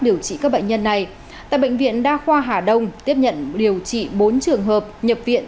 điều trị các bệnh nhân này tại bệnh viện đa khoa hà đông tiếp nhận điều trị bốn trường hợp nhập viện